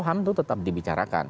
ham itu tetap dibicarakan